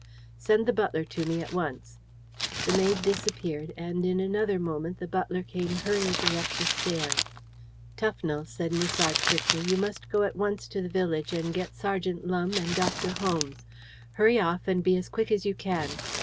"Send the butler to me at once." The maid disappeared, and in another moment the butler came hurriedly up the stairs. "Tufnell," said Musard quickly, "you must go at once to the village and get Sergeant Lumbe and Dr. Holmes. Hurry off, and be as quick as you can.